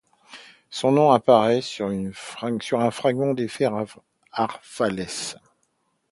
Son nom apparaît sur un fragment des Frères Arvales.